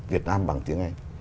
việt nam bằng tiếng anh